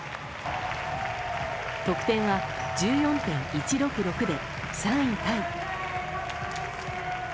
得点は１４．１６６で３位タイ。